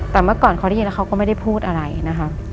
แต่เมื่อก่อนเขาได้ยินแล้วเขาก็ไม่ได้พูดอะไรนะคะ